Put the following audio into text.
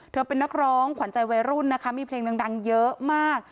เป็นนักร้องขวัญใจวัยรุ่นนะคะมีเพลงดังเยอะมาก